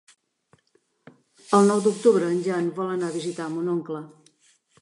El nou d'octubre en Jan vol anar a visitar mon oncle.